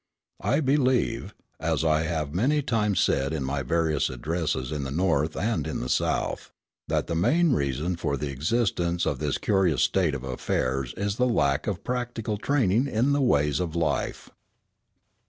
I believe, as I have many times said in my various addresses in the North and in the South, that the main reason for the existence of this curious state of affairs is the lack of practical training in the ways of life.